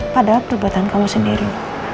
padahal perbuatan kamu sendiri